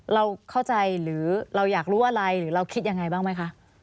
เราเข้าใจหรือเราอยากรู้อะไรหรือเราคิดยังไงบ้างไหมคะ